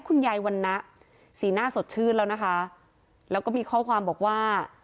คุณยายวันนะสีหน้าสดชื่นแล้วนะคะแล้วก็มีข้อความบอกว่า